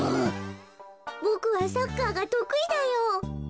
「ボクはサッカーが得意だよ」。